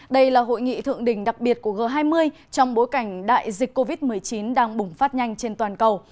đây là hội nghị thượng đỉnh đặc biệt của g hai mươi trong bối cảnh đại dịch covid một mươi chín đang bùng phát nhanh trên toàn cầu